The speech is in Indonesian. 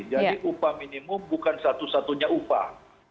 jadi upah minimum bukan satu satunya upah